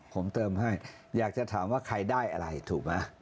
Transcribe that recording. ผมเติมให้อยากจะถามว่าใครได้อะไรถูกไหม